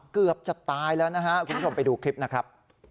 เกือบจะตายแล้วนะฮะคุณผู้ชมไปดูคลิปนะครับ